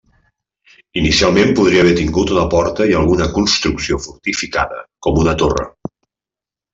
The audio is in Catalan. Inicialment podria haver tingut una porta i alguna construcció fortificada, com una torre.